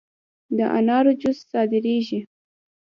د انارو جوس صادریږي؟